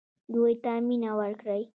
دوی ته مینه ورکړئ